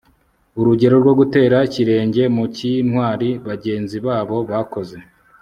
urugero rwo gutera ikirenge mu cy'intwari bagenzi babo bakoze